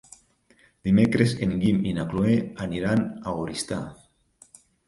Dimecres en Guim i na Cloè aniran a Oristà.